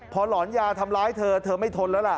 พอหลอนยาทำร้ายเธอเธอไม่ทนแล้วล่ะ